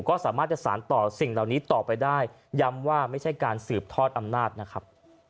ก็สามารถจะสารต่อสิ่งเหล่านี้ต่อไปได้ย้ำว่าไม่ใช่การสืบทอดอำนาจนะครับ